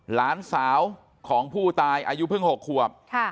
หลานสาวของผู้ตายอายุเพิ่ง๖ขวบ